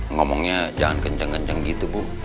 ngomongnya jangan kenceng kenceng gitu bu